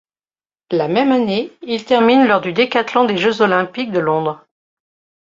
La même année, il termine lors du décathlon des Jeux olympiques de Londres.